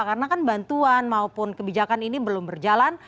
karena kan bantuan maupun kebijakan ini belum berjalan